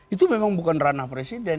itu memang bukan ranah presiden